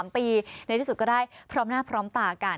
๓ปีในที่สุดก็ได้พร้อมหน้าพร้อมตากัน